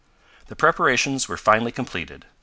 The preparations were finally completed.